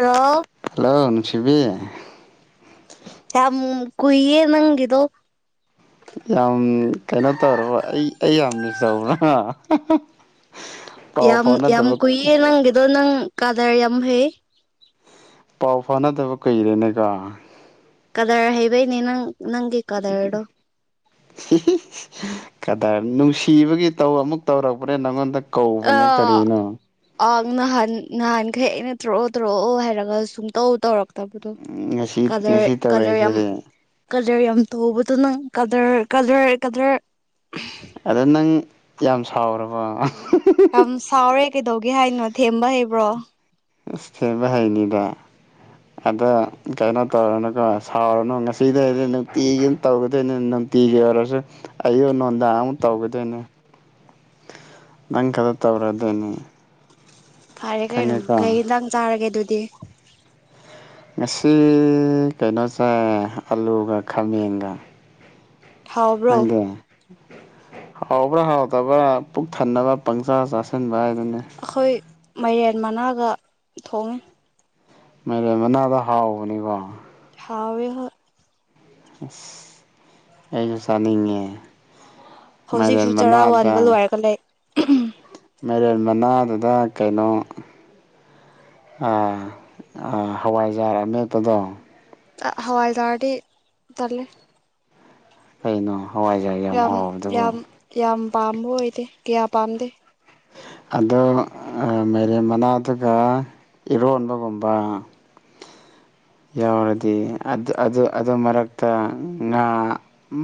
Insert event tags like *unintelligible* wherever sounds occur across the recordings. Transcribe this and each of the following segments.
Hello hello ꯅꯨꯡꯁꯤꯕꯤ ꯌꯥꯝ ꯀꯨꯏꯌꯦ ꯅꯪꯒꯤꯗꯣ ꯌꯥꯝ ꯀꯩꯅꯣ ꯇꯧꯔꯕ ꯑꯩ ꯑꯩ ꯌꯥꯝ ꯃꯤꯁ ꯇꯧꯕ꯭ꯔꯥ ꯄꯥꯎ ꯌꯥꯝ ꯌꯥꯝ ꯐꯥꯎꯅꯗꯕ ꯀꯨꯏꯌꯦ ꯅꯪꯒꯤꯗꯣ ꯅꯪ ꯀꯥꯗꯔ ꯌꯥꯝ ꯍꯩꯌꯦ ꯄꯥꯎ ꯐꯥꯎꯅꯥꯗꯕ ꯀꯩꯔꯦꯅꯦ ꯀꯣ ꯀꯗꯔ ꯍꯩꯕꯩꯅꯦ ꯅꯪ ꯅꯪꯒꯤ ꯀꯥꯗꯔꯗꯣ ꯀꯗꯔ ꯅꯨꯡꯁꯤꯕꯒꯤ ꯇꯧ ꯑꯃꯨꯛ ꯇꯧꯔꯛꯄꯅꯦ ꯅꯪꯉꯣꯟꯗ ꯑ ꯀꯧꯕꯅꯦ ꯀꯔꯤꯅꯣ ꯑ ꯅꯍꯥꯟ ꯅꯍꯥꯟꯈꯩ ꯑꯩꯅ ꯇꯧꯇꯥꯛꯑꯣ ꯇꯧꯔꯛꯑꯣ ꯍꯥꯏꯔꯒ ꯁꯨꯝ ꯇꯧ ꯇꯧꯔꯛ ꯇꯗꯣ ꯉꯁꯤ ꯀꯥꯗꯔ ꯉꯁꯤ ꯀ꯭ꯗꯔ ꯌꯥꯝ ꯇꯧꯔꯛꯏꯁꯤꯗꯤ ꯀꯗꯔ ꯌꯥꯝ ꯇꯨꯕꯗꯣ ꯅꯪ ꯀꯗꯔ ꯀꯗꯔ ꯀꯂꯔ ꯑꯗ ꯅꯪ ꯌꯥꯝ ꯁꯥꯎꯔꯕꯣ ꯌꯥꯝ ꯁꯥꯎꯔꯦ ꯀꯩꯗꯧꯒꯦ ꯍꯥꯏꯅꯣ ꯊꯦꯝ ꯑꯁ ꯊꯦꯝꯕ ꯍꯩꯅꯤꯗ ꯑꯗ ꯀꯩꯅꯣ ꯇꯧꯔꯅꯨꯀꯣ ꯁꯥꯎꯔꯅꯨ ꯉꯁꯤꯗꯩꯗꯤ ꯅꯨꯡꯇꯤꯒꯤ ꯇꯧꯒꯗꯣꯏꯅꯤ ꯅꯨꯡꯇꯤ ꯀꯤꯒꯦ ꯑꯣꯏꯔꯁꯨ ꯑꯩꯁꯨ ꯅꯣꯟꯗꯥ ꯑꯃꯨꯛ ꯇꯧꯒꯗꯣꯏꯅꯦ ꯅꯪ ꯇꯧꯔꯗꯣꯏꯅꯦ ꯐꯔꯦ ꯀꯩꯅꯣ ꯀꯩ ꯍꯦꯟꯁꯪ ꯆꯥꯔꯒꯦ ꯑꯗꯨꯗꯤ ꯉꯁꯤ ꯀꯩꯅꯣꯁꯦ ꯑꯂꯨꯒ ꯈꯥꯃꯦꯟꯒ ꯍꯥꯎꯕ꯭ꯔꯣ ꯅꯪꯗꯤ ꯍꯥꯎꯕ꯭ꯔꯥ ꯍꯥꯎꯗꯕ꯭ꯔꯥ ꯄꯨꯛ ꯊꯟꯅꯕ ꯄꯪꯆꯥꯥ ꯆꯥꯁꯤꯟꯕ ꯍꯥꯏ ꯑꯩꯈꯣꯏ ꯃꯥꯏꯔꯦꯟ ꯃꯅꯥꯒ ꯊꯣꯡꯉꯤ ꯃ ꯃꯅꯥꯗ ꯍꯥꯎꯕꯅꯤꯀꯣ ꯊꯋꯦꯍ ꯑ ꯑꯩꯁꯨ ꯆꯅꯤꯡꯅꯦ ꯍꯧꯖꯤꯛꯁꯨ ꯆꯔꯥ ꯋꯥꯟꯕ ꯂꯣꯏꯔꯒ ꯂꯩ ꯃꯥꯏꯔꯦꯟ ꯃꯅꯥꯗꯨꯗ ꯀꯩꯅꯣ ꯍꯋꯥꯏꯖꯥꯔ ꯅꯦꯝꯇꯣ ꯍꯋꯥꯏꯗꯔꯗꯤ ꯇꯂꯦ ꯀꯩꯅꯣ ꯍꯋꯥꯏꯖꯥꯔ ꯌꯥꯝ ꯍꯥꯎꯕꯗꯨꯕꯨ ꯌꯥꯝ ꯌꯥꯝ ꯄꯥꯝꯕ ꯑꯣꯏꯗꯦ ꯀꯌꯥ ꯄꯥꯝꯗꯦ ꯑꯗꯣ ꯃꯔꯦ ꯃꯅꯥꯗꯨꯒ ꯏꯔꯣꯟꯕꯒꯨꯝꯕ ꯌꯥꯎꯔꯗꯤ ꯑꯗꯨ ꯃꯔꯛꯇ ꯉꯥ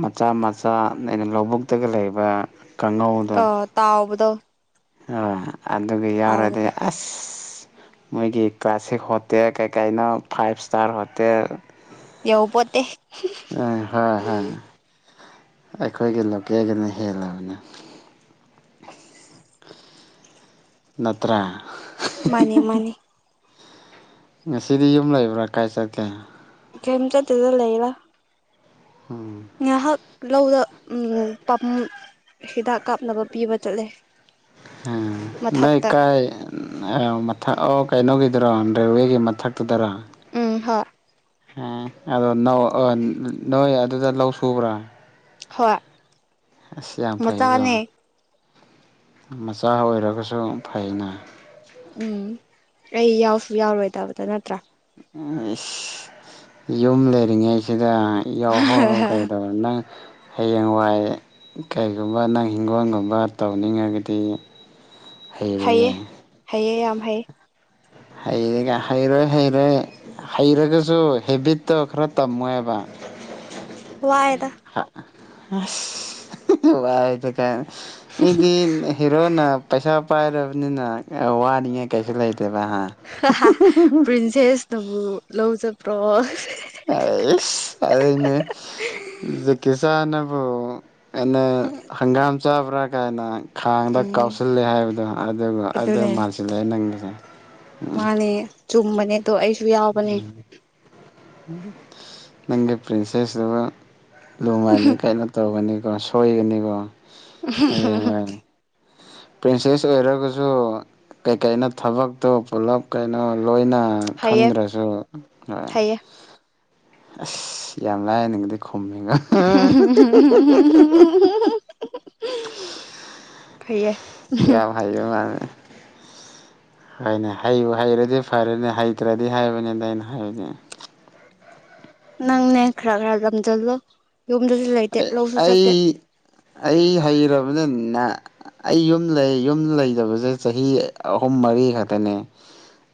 ꯃꯆꯥ ꯃꯆꯥ ꯑꯩꯅ ꯂꯧꯕꯨꯛꯇꯒ ꯂꯩꯕ ꯑ ꯇꯥꯑꯣꯕꯙꯑꯣ ꯑ ꯑꯗꯨ ꯌꯥꯎꯔꯗꯤ ꯑꯁ ꯃꯣꯏꯒꯤ ꯀ꯭ꯂꯥꯁꯤꯛ ꯍꯣꯇꯦꯜ ꯀꯩꯀꯥꯏꯩꯅꯣ ꯐꯥꯏꯚ ꯏꯁꯇꯥꯔ ꯍꯣꯇꯦꯜ ꯌꯧꯄꯣꯠꯇꯦ ꯍ ꯍ ꯑꯩꯈꯣꯏꯒꯤ ꯂꯣꯀꯦꯜꯒꯤꯅ ꯍꯦꯜꯂꯕꯅꯤ *unintelligible* ꯅꯠꯇ꯭ꯔ ꯃꯥꯅꯦ ꯃꯥꯅꯦ ꯉꯁꯤꯗꯤ ꯌꯨꯝ ꯂꯩꯕ꯭ꯔꯥ ꯀꯥꯏ ꯆꯠꯀꯦ ꯁꯦꯝꯝ ꯆ ꯇꯗ ꯂꯩꯂ ꯎꯝ ꯂꯧꯗ ꯄꯥ ꯍꯤꯗꯥꯛ ꯀꯥꯞꯅꯕ ꯄꯤꯕ ꯆꯠꯂꯦ ꯎꯝ ꯅ ꯃꯊꯛꯇ ꯀꯥꯏ ꯃꯊꯛ ꯑꯣ ꯀꯩꯅꯣꯒꯤꯗꯔꯣ ꯔꯦꯜꯋꯦꯒꯤ ꯃꯊꯛꯇꯨꯗꯔꯣ ꯎꯝ ꯍꯣꯏ ꯑꯗꯣ ꯅꯣꯏ ꯑꯗꯨꯗ ꯂꯧ ꯁꯨꯕ꯭ꯔꯥ ꯍꯣꯏ ꯑꯁ ꯌꯥꯝ ꯐꯩꯌꯦꯀꯣ ꯃꯆꯥꯅꯦ ꯃꯆꯥ ꯑꯣꯏꯔꯒꯁꯨ ꯐꯩꯅ ꯎꯝ ꯑꯩ ꯌꯥꯎꯁꯨ ꯌꯥꯎꯔꯣꯏꯗꯕꯗ ꯅꯠꯇ꯭ꯔꯥ ꯎ ꯌꯨꯝ ꯂꯩꯔꯤꯉꯩꯁꯨ ꯌꯥꯎꯍꯧꯔꯣ ꯀꯩꯗꯧꯔꯦ ꯅꯪ ꯍꯌꯦꯡꯋꯥꯏ ꯀꯩꯒꯨꯝꯕ ꯅꯪ ꯍꯤꯡꯒꯣꯜꯒꯨꯝꯕ ꯇꯧꯅꯤꯡꯉꯒꯗꯤ ꯍꯩꯑ ꯍꯩꯔꯣꯏꯌꯦ ꯍꯩꯑ ꯌꯥꯝ ꯍꯩꯌꯦ ꯍꯩꯔꯒ ꯍꯩꯔꯣꯏ ꯍꯩꯔꯣꯏ ꯍꯩꯔꯒꯁꯨ ꯍꯦꯕꯤꯠꯇꯣ ꯈꯔ ꯇꯝꯃꯣꯏꯕ ꯋꯥꯏ ꯋꯥ ꯆ ꯃꯤꯗꯤ ꯍꯤꯔꯣꯅ ꯄꯩꯁꯥ ꯄꯥꯏꯔꯕꯅꯤꯅ ꯋꯥꯅꯤꯡꯉꯦ ꯀꯩꯁꯨ ꯂꯩꯇ ꯄ꯭ꯔꯤꯟꯁꯦꯁ ꯅꯕꯨ ꯂꯧ ꯆꯄ꯭ꯔꯣ ꯑꯩ ꯑꯩꯅꯦ ꯀꯤꯁꯥꯟ ꯑꯦꯟꯅ ꯍꯪꯒꯥꯝ ꯆꯥꯕ꯭ꯔꯥ ꯀꯥꯏꯅ ꯈꯥꯡꯗ ꯎꯝ ꯀꯥꯎꯁꯤꯜꯂꯦ ꯍꯥꯏꯕꯗꯣ ꯑꯗꯨꯒ ꯑꯗꯨ ꯑꯗꯨꯅꯦ ꯃꯥꯟꯁꯤꯜꯂꯛꯑꯦ ꯅꯪꯒꯤꯁꯦ ꯃꯥꯅꯦ ꯆꯨꯝꯕꯅꯦ ꯑꯗꯣ ꯑꯩꯁꯨ ꯌꯥꯎꯕꯅꯦ ꯅꯪꯒꯤ ꯄ꯭ꯔꯤꯟꯁꯦꯁꯇꯨ ꯂꯨꯃꯥꯏꯅꯤ ꯀꯩꯅꯣ ꯇꯧꯕꯅꯤ ꯁꯣꯣꯏ ꯑꯃꯅꯤꯅꯤꯀꯣ *unintelligible* ꯄ꯭ꯔꯤꯟꯁꯦꯁ ꯑꯣꯏꯔꯒꯁꯨ ꯀꯩꯀꯩꯅ ꯊꯕꯛꯇꯨ ꯄꯨꯂꯞ ꯀꯩꯅꯣ ꯂꯣꯏꯅ ꯐꯩꯌꯦ ꯈꯪꯗ꯭ꯔꯁꯨ ꯍ ꯐꯩꯌꯦ ꯑꯁ ꯌꯥꯝ ꯂꯥꯛꯑꯦ ꯅꯪꯗꯤ ꯈꯨꯝꯃꯦꯉ ꯐꯩꯌꯦ ꯏꯌꯥ ꯐꯥꯏꯌ ꯃꯥꯅꯦꯅꯦ ꯍꯣꯏꯅꯦ ꯍꯩ ꯍꯩꯔꯗꯤ ꯐꯔꯦꯅꯦ ꯍꯩꯇ꯭ꯔꯗꯤ ꯍꯥꯏꯕꯅꯤꯅ ꯑꯩꯅ ꯍꯥꯏꯕꯅꯦ ꯅꯪꯅꯦ ꯈꯔ ꯈꯔ ꯂꯝꯁꯤꯜꯂꯣ ꯌꯨꯝꯗꯁꯨ ꯂꯩꯇꯦ ꯂꯧꯁꯨ ꯑꯩ ꯆꯠꯇꯦ ꯑꯩ ꯍꯩꯔꯕꯅꯤꯅ ꯑꯩ ꯌꯨꯝ ꯂꯩ ꯌꯨꯝ ꯂꯩꯇꯕꯁꯦ ꯆꯍꯤ ꯑꯍꯨꯝ ꯃꯔꯤ ꯈꯛꯇꯅꯦ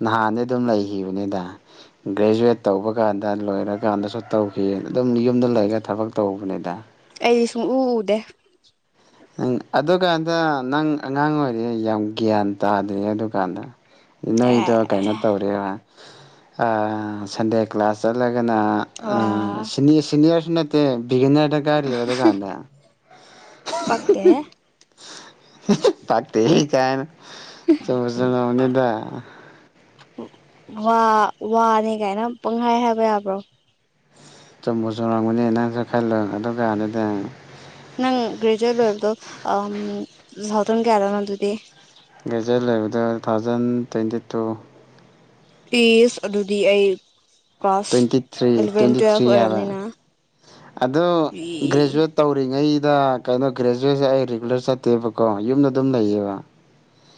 ꯅꯍꯥꯟꯗꯤ ꯑꯗꯨꯝ ꯂꯩꯈꯤꯕꯅꯤꯗ ꯒ꯭ꯔꯦꯖꯨꯋꯦꯠ ꯇꯧꯕ ꯀꯥꯟꯗ ꯂꯣꯏꯔꯀꯥꯟꯗꯁꯨ ꯇꯧꯈꯤ ꯑꯗꯨꯝ ꯌꯨꯝꯗ ꯂꯩꯔꯒ ꯊꯕꯛ ꯇꯧꯕꯅꯦ ꯑꯩꯗꯤ ꯁꯨꯡꯎ ꯎꯗꯦ ꯅꯪ ꯑꯗꯨꯀꯥꯟꯗ ꯅꯪ ꯑꯉꯥꯡ ꯑꯣꯏꯔꯤ ꯌꯥꯝ ꯒ꯭ꯌꯥꯟ ꯇꯥꯗ꯭ꯔꯤꯦ ꯑꯗꯨꯀꯥꯟꯗ ꯅꯣꯏꯗꯣ ꯀꯩꯅꯣ ꯑꯦ ꯇꯧꯔꯦꯕ ꯁꯟꯗꯦ ꯀ꯭ꯂꯥꯁ ꯆꯠꯂꯒ ꯅꯥ ꯋꯥ ꯁꯤꯅꯤꯌꯔꯁꯨ ꯅꯠꯇꯦ ꯕꯤꯒꯤꯅꯔꯗ ꯒꯥꯔꯤꯕ ꯗꯨꯀꯥꯟꯗ ꯐꯗꯦ ꯐꯇ ꯀꯥꯏꯅ ꯆꯨꯝꯁꯨꯎꯅꯤꯗ ꯋꯥ ꯋꯥꯅꯤ ꯀꯥꯏꯅ ꯄꯪꯍꯥꯏ ꯍꯥꯏꯕ ꯌꯥꯕ꯭ꯔꯣ ꯆꯨꯝꯕ ꯆꯨꯝꯨꯔꯝꯒꯅꯤ ꯅꯪꯁꯨ ꯈꯜꯂꯣ ꯑꯗꯨꯒꯥꯟ ꯑꯗꯨꯗ ꯅꯪ ꯒ꯭ꯔꯦꯖꯨꯋꯦꯠ ꯂꯣꯏꯕꯗꯣ ꯁꯥꯎꯇꯟ ꯀꯌꯥꯗꯅꯣ ꯑꯗꯨꯗꯤ ꯒꯦꯖꯔꯠ ꯂꯩꯕꯗ ꯇꯨ ꯊꯥꯎꯖꯟ ꯇ꯭ꯋꯦꯟꯇꯤ ꯇꯨ ꯏꯁꯤꯁ ꯑꯗꯨꯗꯤ ꯑꯩ class twenty three eleven twenty three ꯇꯨꯌꯦꯜꯐ ꯍꯥꯏꯕ ꯑꯣꯏꯔꯝꯅꯤꯅ ꯑꯗ ꯏ ꯒ꯭ꯔꯦꯖꯨꯋꯦꯠ ꯇꯧꯔꯤꯉꯩ ꯁꯤꯗ ꯀꯩꯅꯣ ꯒ꯭ꯔꯦꯖꯨꯋꯦꯠꯁꯦ ꯑꯩ ꯔꯤꯒꯨꯂꯔ ꯆꯠꯇꯦꯕꯀꯣ ꯌꯨꯝꯗ ꯑꯗꯨꯝ ꯂꯩꯌꯦꯕ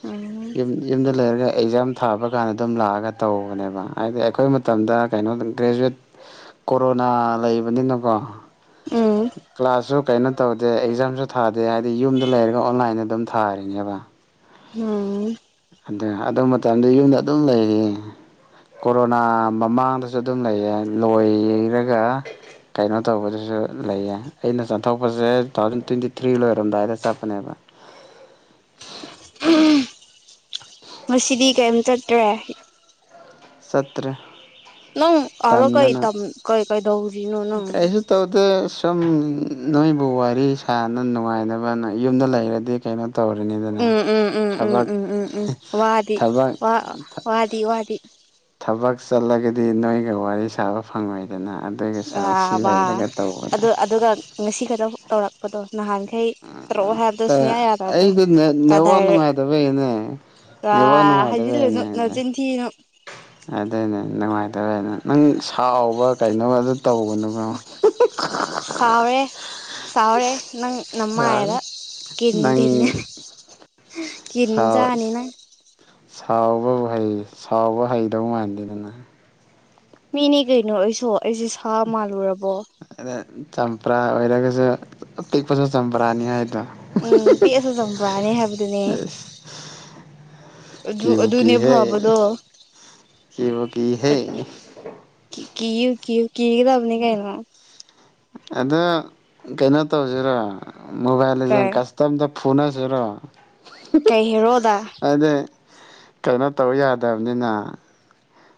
ꯎꯝ ꯌ ꯌꯨꯝꯗ ꯂꯩꯔꯒ ꯑꯦꯛꯖꯥꯝ ꯊꯥꯕ ꯀꯥꯟꯗ ꯑꯗꯨꯝ ꯂꯥꯛꯑꯒ ꯇꯧꯕꯅꯦꯕ ꯍꯥꯏꯗꯤ ꯑꯩꯈꯣꯏ ꯃꯇꯝꯗ ꯀꯩꯅꯣꯗ ꯒ꯭ꯔꯦꯖꯨꯋꯦꯠ ꯀꯣꯔꯣꯅꯥ ꯂꯩꯕꯅꯤꯅꯀꯣ ꯎꯝ ꯀ꯭ꯂꯥꯁꯁꯨ ꯀꯩꯅꯣ ꯇꯧꯗꯦ ꯑꯦꯛꯖꯥꯝꯁꯨ ꯊꯥꯗꯦ ꯍꯥꯏꯗꯤ ꯌꯨꯝꯗ ꯂꯩꯔꯒ ꯑꯣꯟꯂꯥꯏꯟꯗ ꯑꯗꯨꯝ ꯊꯥꯔꯤꯅꯦꯕ ꯎꯝ ꯑ ꯑꯗꯨ ꯃꯇꯝꯗ ꯌꯨꯝꯗ ꯑꯗꯨꯝ ꯂꯩꯌꯦ ꯀꯣꯔꯣꯅꯥ ꯃꯃꯥꯡꯗꯁꯨ ꯑꯗꯨꯝ ꯂꯩꯌꯦ ꯂꯣꯏꯔꯒ ꯀꯩꯅꯣ ꯇꯧꯕꯗꯨꯁꯨ ꯂꯩꯌꯦ ꯑꯩꯅ ꯆꯠꯊꯣꯛꯄꯁꯦ ꯇꯨ ꯊꯥꯎꯖꯟ ꯇ꯭ꯋꯦꯟꯇꯤ ꯊ꯭ꯔꯤ ꯂꯣꯏꯔꯝꯗꯥꯏꯗ ꯆꯠꯄꯅꯦꯕ *unintelligible* ꯉꯗꯤ ꯀꯔꯤꯝ ꯆꯠꯇ꯭ꯔꯦ ꯁꯠꯇ꯭ꯔ ꯅꯪ ꯑꯂꯣ ꯀꯩ ꯇꯝ ꯀꯩ ꯀꯥꯏꯗꯧ ꯀꯥꯏꯁꯨ ꯇꯧꯗ ꯁꯨꯝ ꯅꯣꯏꯕꯨ ꯋꯥꯔꯤ ꯁꯅ ꯅꯨꯡꯉꯥꯏꯅꯕꯅ ꯌꯨꯝꯗ ꯂꯩꯔꯗꯤ ꯀꯩꯅꯣ ꯇꯧꯔꯤꯅꯤꯗꯅ ꯎꯝ ꯎꯝ ꯎꯝ ꯎꯝ ꯊꯕꯛ ꯎꯝ ꯎꯝ ꯎꯝ ꯋꯥꯗꯤ ꯊꯕꯛ ꯋꯥ ꯋꯥꯗꯤ ꯋꯥꯗꯤ ꯊꯕꯛ ꯆꯠꯂꯒꯗꯤ ꯅꯣꯏꯒ ꯋꯥꯔꯤ ꯁꯥꯕ ꯐꯪꯉꯣꯏ ꯑꯥ ꯋꯥ ꯇꯧꯕꯅꯦ ꯑꯗꯨ ꯑꯗꯨꯒ ꯉꯁꯤ ꯈꯗ ꯇꯧꯔꯛꯄꯗꯣ ꯅꯍꯥꯟꯈꯩ ꯇꯔꯛꯑꯣ ꯍꯥꯏꯕꯗꯣ ꯁꯨꯡꯌꯥ ꯌꯥꯗꯕꯗꯣ ꯑꯩꯗꯣ ꯅꯦꯠꯋꯥꯛ ꯀꯥꯗꯥꯏ ꯅꯨꯡꯉꯥꯏꯇꯕꯩꯅꯦ ꯑ ꯅꯦꯠꯋꯥꯛ ꯍꯥꯏꯖꯤꯜꯂꯨꯅꯨ ꯅꯨꯡꯉꯥꯏꯇꯕꯩꯅꯦ ꯅ ꯇꯤꯟ ꯊꯤꯅꯨ ꯑꯗꯨꯅꯦ ꯅꯨꯡꯉꯥꯏꯇꯕꯩꯅꯦ ꯅꯪ ꯁꯥꯎꯕ ꯀꯩꯅꯣ ꯑꯗꯨ ꯇꯧꯕꯅꯦꯕꯣ ꯁꯥꯎꯔꯦ ꯁꯥꯎꯔꯦ ꯅꯪ ꯅꯃꯗ ꯁꯥꯎꯔꯦ ꯀꯤꯟꯗꯤꯅꯤꯅꯦ ꯅꯪ ꯀꯅ ꯁꯥꯎ ꯆꯅꯤꯅ ꯁꯥꯎꯕꯕꯨ ꯍꯩ ꯁꯥꯎꯕ ꯍꯩꯗꯧ ꯃꯥꯟꯗꯦꯗꯅ ꯃꯤꯅꯦ ꯀꯩꯅꯣ ꯑꯩꯁꯨ ꯑꯩꯁꯦ ꯁꯥ ꯃꯥꯜꯂꯨꯔꯕꯣ ꯑꯗ ꯆꯝꯄ꯭ꯔꯥ ꯑꯣꯏꯔꯒꯁꯨ ꯑꯄꯤꯤꯛꯄꯁꯨ ꯆꯝꯄꯔꯥꯅꯤ ꯍꯥꯏꯗꯣ ꯎꯝ ꯄꯤꯛꯑꯁꯨ ꯆꯝꯕ꯭ꯔꯥꯅꯦ ꯍꯥꯏꯕꯗꯨꯅꯦ ꯑꯁ ꯑꯗꯨ ꯑꯗꯨꯅꯦ ꯐꯥꯕꯗꯣ ꯁꯤꯕꯨ ꯀꯍꯦ ꯀꯌ ꯀꯌꯨ ꯀ ꯀꯗꯕꯅꯤ ꯀꯥꯏꯅ ꯑꯗ ꯀꯩꯅꯣ ꯇꯧꯁꯤꯔꯣ ꯃꯣꯕꯥꯏꯜꯁꯦ ꯀꯁꯇꯝꯗ ꯐꯨꯅꯁꯔꯣ ꯀꯩ ꯍꯣꯗ ꯀꯩꯅꯣ ꯇꯧ ꯌꯥꯗꯕꯅꯤꯅ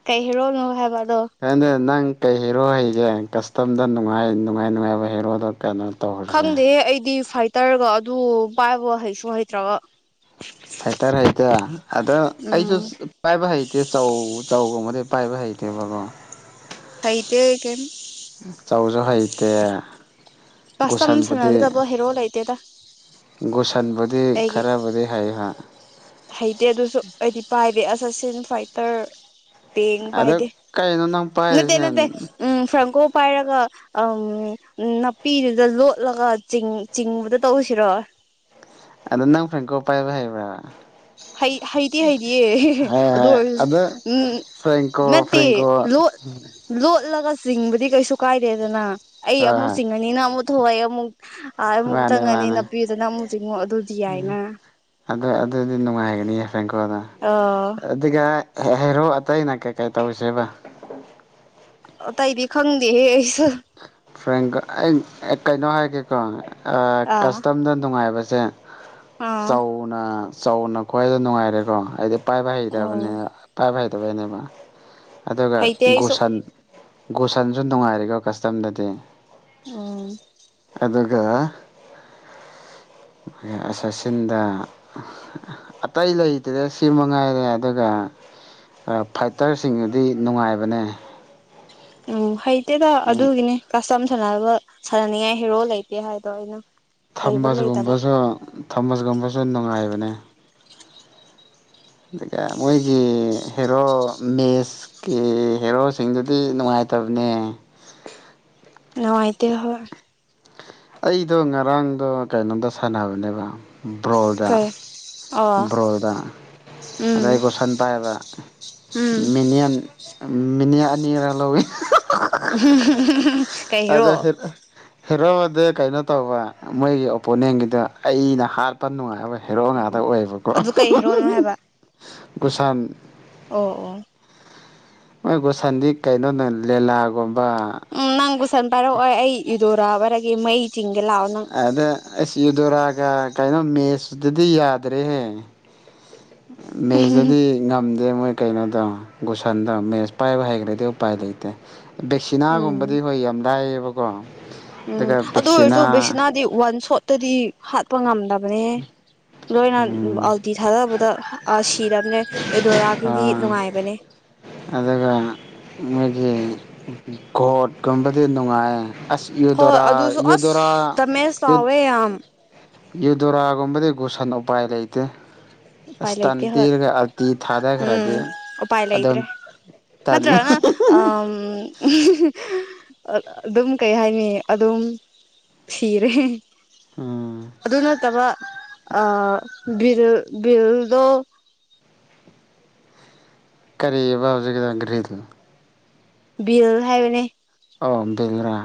ꯀꯩ ꯍꯔꯣꯅꯍꯦꯕ ꯍꯅꯦ ꯅꯪ ꯀꯩ ꯍꯦꯔꯣ ꯍꯩꯒꯦ ꯀꯁꯇꯝꯗ ꯅꯨꯡꯉꯥꯏ ꯅꯨꯡꯉꯥꯏ ꯅꯨꯡꯉꯥꯏꯕ ꯍꯦꯔꯣꯗꯣ ꯀꯩꯅꯣ ꯇꯧꯈ꯭ꯔꯁꯦ ꯈꯪꯗꯦ ꯑꯩꯗꯤ ꯐꯥꯏꯇꯔꯒ ꯑꯗꯨ ꯄꯥꯏꯕ ꯍꯩꯁꯨ ꯍꯩꯇ꯭ꯔꯕ ꯐꯥꯏꯇꯔ ꯍꯩꯇꯦ ꯑꯗ ꯑꯩꯁꯨ ꯎꯝ ꯄꯥꯏꯕ ꯍꯩꯇꯦ ꯆꯧ ꯆꯧꯒꯨꯝꯕꯗꯤꯩ ꯄꯥꯏꯕ ꯍꯥꯏꯩꯗꯕꯀꯣ ꯍꯩꯇ ꯀꯦꯝ ꯆꯥꯎꯧꯁꯨ ꯍꯩꯇꯦ ꯀꯁꯇꯝ ꯒꯨꯁꯟꯕꯨꯗꯤ ꯁꯥꯟꯅꯒꯗꯕ ꯍꯦꯔꯣ ꯂꯩꯇꯦꯗ ꯒꯨꯁꯟꯕꯨꯗꯤ ꯑꯩꯒꯤ ꯈꯔꯕꯨꯗꯤ ꯍꯩꯌꯨꯍ ꯍꯩꯇꯦ ꯑꯗꯨꯁꯨ ꯑꯩꯗꯤ ꯄꯥꯏꯕ ꯑꯁꯁꯦꯟ ꯐꯥꯏꯇꯔ ꯄꯦꯡ ꯑꯗꯣ ꯄꯥꯏꯗꯦ ꯀꯩꯅꯣ ꯅꯪ ꯅꯠꯇ ꯄꯥꯏꯔꯤꯁꯦ ꯅꯠꯇꯦ ꯎꯝ ꯐ꯭ꯔꯀꯣ ꯄꯥꯏꯔꯒ ꯎ ꯅꯥꯄꯤꯗꯨꯗ ꯂꯣꯠꯂꯒ ꯆꯤꯡꯕꯗ ꯇꯧꯁꯤꯔꯣ ꯑꯗꯣ ꯅꯪ ꯐ꯭ꯔꯦꯡꯀꯣ ꯄꯥꯏꯕ ꯍꯩꯕ꯭ꯔꯥ ꯍꯩꯗꯤ ꯍꯩꯗꯤ ꯍꯣꯏ ꯑꯗꯨ ꯍꯣꯏ ꯑꯗꯣ ꯎꯝ ꯐ꯭ꯔꯦꯡꯀꯣ ꯃꯠꯇ ꯐ꯭ꯔꯦꯡꯀꯣ ꯂ ꯂꯣ ꯂ ꯆꯤꯡꯕꯗꯤ ꯀꯩꯁꯨ ꯀꯥꯏꯗꯦꯗꯅ ꯑꯩ ꯍꯣꯏ ꯑꯃꯨꯛ ꯍꯣꯏ ꯆꯤꯡꯉꯅꯤꯅ ꯑꯃꯨꯛ ꯊꯣꯛꯂꯛꯏꯦ ꯑꯃꯨꯛ ꯑꯥ ꯑꯩ ꯑꯃꯨꯛ ꯃꯥꯅꯦ ꯆꯪꯉꯅꯤ ꯃꯥꯅꯦ ꯅꯨꯄꯤꯗꯨꯅꯪ ꯑꯃꯨꯛ ꯆꯤꯡꯉꯛ ꯑꯗꯨꯗꯤ ꯌꯥꯏꯅ ꯑꯗꯨ ꯑꯗꯨꯗꯤ ꯅꯨꯡꯉꯥꯏꯒꯅꯤ ꯐ꯭ꯔꯦꯡꯀꯣꯗ ꯑꯥ ꯑꯗꯨꯒ ꯍꯩꯔꯣ ꯑꯇꯩꯅ ꯀꯩꯀꯩ ꯇꯧꯔꯤꯁꯦꯕ ꯑ ꯇ ꯏꯗꯤ ꯈꯪꯗꯦꯦꯁꯨ ꯐ꯭ꯔꯦꯟ ꯑꯩ ꯀꯩꯅꯣ ꯍꯥꯏꯒꯦꯀꯣ ꯑꯥ ꯀꯁꯇꯝꯗ ꯅꯨꯡꯉꯥꯏꯕꯁꯦ ꯑꯥ ꯆꯥꯎꯅ ꯆꯥꯎꯧꯅ ꯈ꯭ꯋꯥꯏꯗ ꯅꯨꯡꯉꯥꯏꯔꯦꯀꯣ ꯍꯥꯏꯗꯤ ꯄꯥꯏꯕ ꯎꯝ ꯍꯩꯇꯕꯅꯦ ꯄꯥꯏꯕ ꯍꯩꯇꯕꯩꯅꯦꯕ ꯑꯗꯨꯒ ꯍꯩꯇꯦ ꯑꯩꯁꯨ ꯒꯨꯁꯟ ꯒꯨꯁꯟꯁꯨ ꯅꯨꯡꯉꯥꯏꯔꯤꯀꯣ ꯀꯁꯇꯝꯗꯗꯤ ꯑꯣ ꯑꯗꯨꯒ ꯁꯠꯁꯤꯟꯗ ꯑꯇꯩ ꯂꯩꯇ꯭ꯔꯦ ꯁꯤ ꯃꯉꯥꯏꯔꯦ ꯑꯗꯨꯒ ꯐꯥꯏꯇꯔꯁꯤꯡꯗꯨꯗꯤ ꯅꯨꯡꯉꯥꯏꯕꯅꯦ ꯎꯝ ꯍꯩꯇꯦꯗ ꯑꯗꯨꯒꯤꯅꯦ ꯀꯁꯝ ꯁꯥꯟꯅꯕ ꯁꯥꯟꯅꯅꯤꯡꯉꯥꯏ ꯍꯦꯔꯣ ꯂꯩꯇꯦ ꯍꯥꯏꯗꯣ ꯑꯩꯅ ꯍꯩꯕ ꯂꯩꯇꯕ ꯊꯃꯁꯒꯨꯝꯕꯁꯨ ꯊꯝꯃꯁꯒꯨꯝꯕꯁꯨ ꯅꯨꯡꯉꯥꯏꯕꯅꯦ ꯑꯗꯨꯒ ꯃꯣꯏꯒꯤ ꯍꯦꯔꯣ ꯃꯦꯁꯀꯤ ꯍꯦꯔꯣꯁꯤꯡꯗꯨꯗꯤ ꯅꯨꯡꯉꯥꯏ ꯇꯅꯦ ꯉꯥꯏꯇꯣ ꯑꯩꯗꯣ ꯉꯔꯥꯡꯗꯣ ꯀꯩꯅꯣꯝꯗ ꯁꯥꯟꯅꯕꯅꯦꯕ ꯕ꯭ꯔꯣꯜꯗ ꯀꯩ ꯑꯣ ꯔꯣꯗꯥ ꯎꯝ ꯑꯗ ꯑꯩꯒꯣꯁꯟ ꯄꯥꯏꯕ ꯎꯝ ꯃꯤꯅꯤꯌꯥꯟ ꯃꯤꯅꯤ ꯑꯅꯤꯔꯥ ꯂꯧꯋꯤ ꯍ ꯑꯗ ꯐꯔ ꯍꯦꯔꯣꯗꯤ ꯀꯩꯅꯣ ꯇꯧꯕ ꯃꯣꯏꯒꯤ ꯑꯣꯄꯣꯅꯦꯟꯒꯤꯗꯣ ꯑꯩꯅ ꯍꯥꯠꯄ ꯅꯨꯡꯉꯥꯏꯕ ꯍꯦꯔꯣ ꯉꯥꯛꯇ ꯑ ꯗ ꯑꯣꯏꯌꯦꯕꯀꯣ ꯑꯗꯨ ꯀꯩ ꯍꯦꯔꯣꯅꯣ ꯍꯥꯏꯕ ꯒꯨꯁꯥꯟ ꯑꯣ ꯑꯣ ꯃꯣꯏ ꯒꯣꯁꯟꯗꯤ ꯀꯩꯅꯣꯗ ꯂꯤꯦꯂꯥꯒꯨꯝꯕ ꯀꯕꯨꯁꯟ ꯄꯥꯏꯔꯛꯑꯣꯏ ꯑꯩ ꯏꯗꯣꯔꯥꯕꯔꯒꯦ ꯃꯩ ꯆꯤꯡꯒꯦ ꯂꯥꯛꯑꯣ ꯅꯪ ꯑꯗ ꯁꯤꯗꯨꯔꯒ ꯀꯩꯅꯣ ꯃꯦꯠꯁꯇꯗꯤ ꯌꯥꯗ꯭ꯔꯦꯍꯦ ꯃꯦꯠꯁꯇꯗꯤ ꯉ ꯑ ꯃꯣꯏ ꯀꯩꯅꯣꯗ ꯒꯨꯁꯟꯗ ꯃꯦꯠꯁ ꯄꯥꯏꯕ ꯍꯩꯈ꯭ꯔꯗꯤ ꯎꯄꯥꯏ ꯂꯩꯇꯦ ꯎꯝ ꯚꯦꯛꯁꯤꯅꯥꯒꯨꯝꯕꯗꯤ ꯍꯣꯏ ꯌꯥꯝ ꯂꯥꯏꯌꯦꯕꯀꯣ ꯑꯗꯨꯒ ꯑꯗꯨꯗꯁꯨ ꯕꯦꯛꯁꯤꯅꯥ ꯦꯁꯅꯗꯤ ꯋꯥꯟ ꯁꯣꯠꯇꯗꯤ ꯍꯥꯠꯄ ꯉꯝꯗꯕꯅꯦ ꯂꯣꯏꯅ ꯎꯝ ꯑꯥꯜꯇꯤ ꯊꯥꯗꯕꯗ ꯑ ꯁꯤꯗꯅꯦ ꯑ ꯑꯗꯨꯒ ꯒꯣꯠꯀꯨꯝꯕꯗꯤ ꯅꯨꯡꯉꯥꯏꯌꯦ ꯑꯁ ꯍꯣꯏ ꯌꯗꯔꯥ ꯑꯗꯨꯁꯨ ꯑꯁ ꯌꯗꯔꯥ ꯗꯃꯦꯖ ꯌ ꯆꯥꯎꯋꯦ ꯌꯥꯝ ꯌꯨꯗꯣꯔꯥꯒꯨꯝꯕꯗꯤ ꯒꯨꯁꯟ ꯎꯄꯥꯏ ꯂꯩꯇꯦ ꯎꯄꯥꯏ ꯑꯁꯇꯟ ꯂꯩꯇꯦ ꯍꯣꯏ ꯄꯤꯔꯒ ꯑꯥꯜꯇꯤ ꯊꯥꯗꯈ꯭ꯔꯗꯤ ꯑꯗꯨꯝ ꯃꯥ꯭ꯔ ꯇꯜꯂꯤ ꯑ ꯑꯗꯨꯝ ꯀꯩ ꯍꯥꯏꯅꯤ ꯑꯗꯨꯝ ꯁꯤꯔꯦ ꯎꯝ ꯑꯗꯨ ꯅꯠꯇꯕ ꯑ ꯕꯤꯔ ꯕꯤꯜꯗ ꯀꯔꯤꯑꯕ ꯍꯧꯖꯤꯛꯀꯤꯗꯣ ꯘ꯭ꯔꯤꯗꯨ ꯕꯤꯜ ꯍꯥꯏꯕꯅꯦ ꯑꯥꯝꯗꯦꯜꯗꯨꯔꯥ ꯕ꯭ꯔꯥ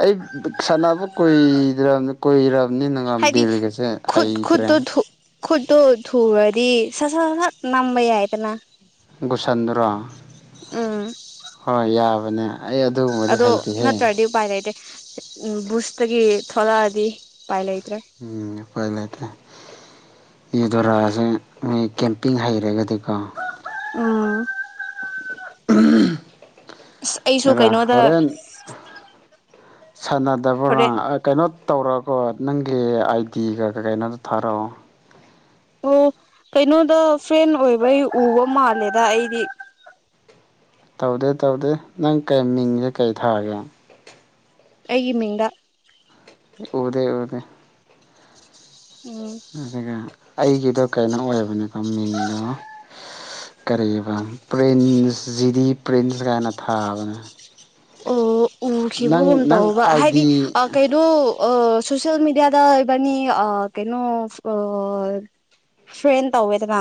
ꯑꯩ ꯕꯤꯛ ꯁꯥꯟꯅꯕ ꯀꯨꯏꯗꯔꯃꯤ ꯀꯨꯏꯔ ꯃꯨꯛꯅ ꯍꯦꯅꯒ ꯍꯥꯏꯗꯤ ꯕꯤꯜꯒꯁꯦ ꯈꯨꯠ ꯍꯩꯇ꯭ꯔꯦ ꯈꯨꯠꯇꯣ ꯈꯨꯠꯇꯣ ꯊꯨꯔꯗꯤ ꯁꯠ ꯁꯠ ꯁ ꯁꯠ ꯅꯝꯕ ꯌꯥꯏꯗꯅ ꯒꯨꯁꯟꯗꯨꯔꯣ ꯎꯝ ꯍꯣꯏ ꯌꯥꯕꯅꯦ ꯑꯩ ꯑꯗꯨꯒꯨꯝꯕꯗꯤ ꯑꯗꯣ ꯍꯩꯇꯦꯍꯦ ꯅꯠꯇ꯭ꯔꯗꯤ ꯎꯄꯥꯏ ꯂꯩꯇꯦ ꯎꯝ ꯕꯨꯁꯇꯒꯤ ꯊꯣꯂꯛꯑꯗꯤ ꯎꯄꯥꯏ ꯂꯩ ꯎꯝ ꯎꯄꯥꯏ ꯂꯩꯇꯦ꯫ ꯌꯨꯗꯣꯔꯥꯁꯦ ꯃꯤ ꯀꯦꯝꯄꯤꯡ ꯍꯩꯔꯒꯗꯤꯀꯣ ꯎꯝ ꯎꯝ ꯏꯁ ꯑꯩꯁꯨ ꯀꯩꯅꯣꯗ ꯁꯥꯟꯅꯗꯕ꯭ꯔꯣ ꯍꯣꯔꯦꯟ ꯅꯪ ꯑ ꯀꯩꯅꯣ ꯇꯧꯔꯒꯣ ꯅꯪꯒꯤ ꯑꯥꯏꯗꯤꯒ ꯀꯩꯀꯩꯅꯣꯗꯣ ꯊꯥꯔꯛꯑꯣ ꯑꯣ ꯀꯩꯅꯣꯗ ꯐꯦꯟ ꯑꯣꯏꯕꯩ ꯎꯕ ꯃꯥꯜꯂꯦꯗ ꯑꯩꯗꯤ ꯇꯧꯗꯦ ꯇꯧꯗꯦ ꯅꯪ ꯀꯩ ꯃꯤꯡꯖꯦ ꯀꯩ ꯊꯥꯒꯦ ꯑꯩꯒꯤ ꯃꯤꯡꯗ ꯎꯗꯦ ꯎꯗꯦ ꯎꯝ ꯑꯗꯨꯒ ꯑꯩꯒꯤꯗꯣ ꯀꯩꯅꯣ ꯑꯣꯏꯕꯅꯤꯀꯣ ꯃꯤꯡꯗꯣ ꯁ ꯀꯔꯤꯕ ꯄ꯭ꯔꯤꯟꯁ ꯖꯤꯗꯤ ꯄ꯭ꯔꯤꯟꯁ ꯒꯥꯏꯅ ꯊꯥꯕꯅꯦ ꯑꯣ ꯎꯈꯤꯕꯒꯨꯝ ꯅꯪ ꯅꯪ ꯇꯧꯕ ꯍꯥꯏꯗꯤ ꯑꯥꯏꯗꯤ ꯑꯥ ꯀꯩꯅꯣ ꯑ ꯁꯣꯁꯤꯌꯦꯜ ꯃꯦꯗꯤꯌꯥꯗ ꯏꯕꯥꯅꯤ ꯑꯥ ꯀꯩꯅꯣ ꯑꯥ ꯐꯔ꯭ꯦꯟ ꯇꯧꯋꯦꯗꯅ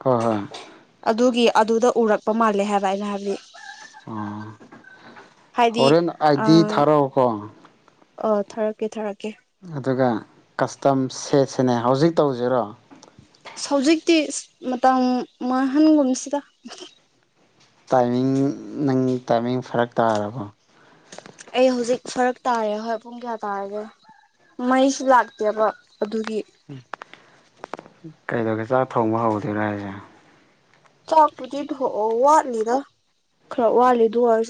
ꯀ ꯍꯣꯏ ꯑꯗꯨꯒꯤ ꯑꯗꯨꯗ ꯎꯔꯛꯄ ꯃꯥꯜꯂꯦ ꯍꯥꯏꯕ ꯑꯩꯅ ꯍꯥꯏꯕꯗꯤ ꯑꯥ ꯍꯥꯏꯗꯤ ꯍꯣꯔꯦꯟ ꯑꯥꯏꯗꯤ ꯊꯥꯔꯛꯑꯣꯀꯣ ꯑꯥ ꯊꯥꯔꯛꯀꯦ ꯊꯥꯔꯛꯀꯦ ꯑꯗꯨꯒ ꯀꯁꯇꯝ ꯁꯦꯁꯤꯅꯦ ꯍꯧꯖꯤꯛ ꯇꯧꯖꯤꯔꯣ ꯍꯧꯖꯤꯛꯇꯤ ꯁ ꯃꯇꯝ ꯃꯥꯡꯍꯟꯒꯨꯝꯁꯤꯗ ꯇꯥꯏꯃꯤꯡ ꯅꯪ ꯇꯥꯏꯃꯤꯡ ꯐꯔꯛ ꯇꯥꯔꯕꯣ ꯑꯩ ꯍꯧꯖꯤꯛ ꯐꯔꯛ ꯇꯥꯔꯦ ꯍꯣꯏ ꯄꯨꯡ ꯀꯌꯥ ꯇꯥꯔꯒꯦ ꯃꯩꯁꯨ ꯂꯥꯛꯇꯦꯕ ꯑꯗꯨꯒꯤ ꯀꯩꯗꯧꯒꯦ ꯆꯥꯛ ꯊꯣꯡꯕ ꯍꯧꯗ ꯉꯥꯏꯔꯤꯔꯣ ꯆꯥꯛꯄꯨꯗꯤ ꯊꯣꯛꯑꯥ ꯋꯥꯠꯂꯤꯗ ꯈꯔ ꯋꯥꯠꯂꯤꯗꯨ ꯑꯣꯏꯔꯁꯨ